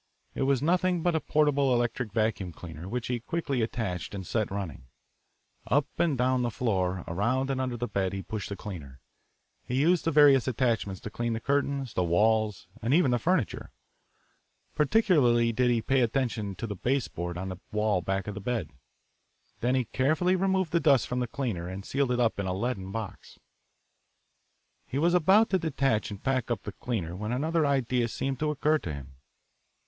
It was nothing but a portable electric vacuum cleaner, which he quickly attached and set running. Up and down the floor, around and under the bed he pushed the cleaner. He used the various attachments to clean the curtains, the walls, and even the furniture. Particularly did he pay attention to the base board on the wall back of the bed. Then he carefully removed the dust from the cleaner and sealed it up in a leaden box. He was about to detach and pack up the cleaner when another idea seemed to occur to him.